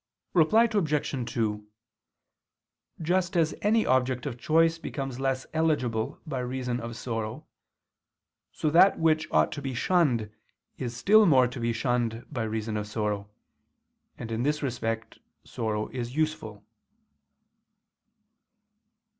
Reply Obj. 2: Just as any object of choice becomes less eligible by reason of sorrow, so that which ought to be shunned is still more to be shunned by reason of sorrow: and, in this respect, sorrow is useful.